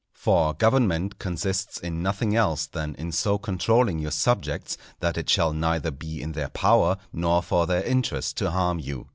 For government consists in nothing else than in so controlling your subjects that it shall neither be in their power nor for their interest to harm you.